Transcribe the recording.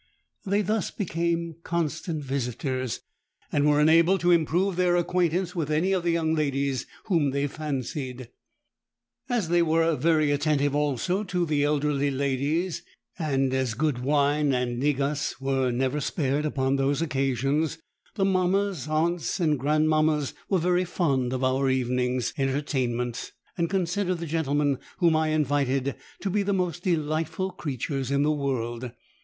They thus became constant visitors, and were enabled to improve their acquaintance with any of the young ladies whom they fancied. As they were very attentive also to the elderly ladies, and as good wine and negus were never spared upon those occasions, the mammas, aunts, and grandmammas were very fond of our evenings' entertainments, and considered the gentlemen whom I invited to be 'the most delightful creatures in the world.'